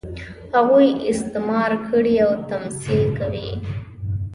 هغوی استثمار کړي او تمثیل کوي.